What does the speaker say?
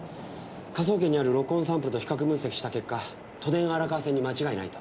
科捜研にある録音サンプルと比較分析した結果都電荒川線に間違いないと。